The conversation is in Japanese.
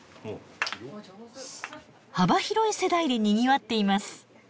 幅広い世代でにぎわっています。